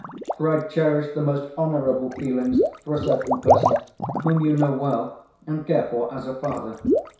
For I cherish the most honorable feelings for a certain person, whom you know well, and care for as a father.